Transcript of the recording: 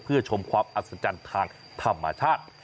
เพื่อชมความอัศจรรย์ทางธรรมชาติ